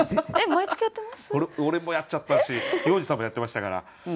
俺もやっちゃったし要次さんもやってましたから。